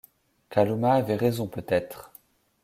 Kalumah avait raison peut-être!